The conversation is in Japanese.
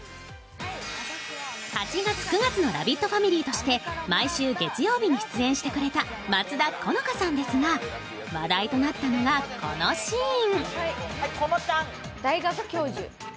８月、９月のレギュラーとして毎週月曜日に出演してくれた松田好花さんですが、話題となったのがこのシーン。